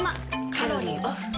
カロリーオフ。